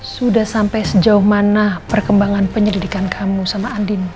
sudah sampai sejauh mana perkembangan penyelidikan kamu sama andin